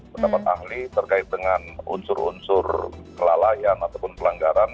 pendapat ahli terkait dengan unsur unsur kelalaian ataupun pelanggaran